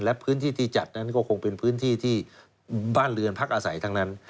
และพื้นที่ที่จัดนั้นก็คงเป็นพื้นที่ที่บ้านเรือนพักอาศัยทั้งนั้น